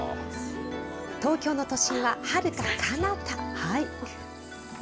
東京の都心ははるかかなた。